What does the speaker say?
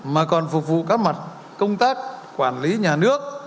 mà còn phục vụ các mặt công tác quản lý nhà nước